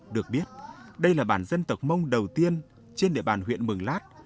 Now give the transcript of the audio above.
được biết đây là bản dân tộc mông đầu tiên trên địa bàn huyện mường lát